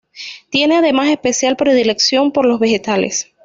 Tiene además, especial predilección por los vegetales.